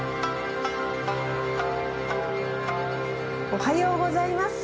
おはようございます！